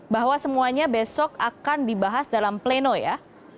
bahwa semuanya besok akan dibahas dalam pleno ya